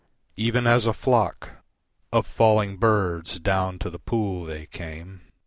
Even as a flock Of falling birds, down to the pool they came.